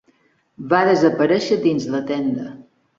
Va desaparèixer dins la tenda.